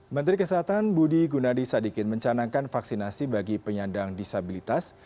menteri kesehatan budi gunadi sadikin mencanangkan vaksinasi bagi penyandang disabilitas